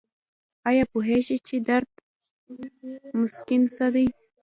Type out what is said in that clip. ایا پوهیږئ چې درد مسکن څه دي؟